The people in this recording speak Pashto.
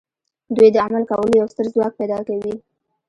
دوی د عمل کولو یو ستر ځواک پیدا کوي